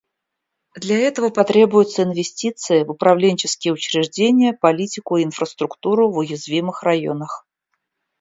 Для этого потребуются инвестиции в управленческие учреждения, политику и инфраструктуру в уязвимых районах.